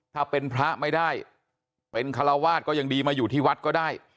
ถ้าเป็นพระไม่ได้เป็นคาราวาสก็ยังดีมาอยู่ที่วัดก็ได้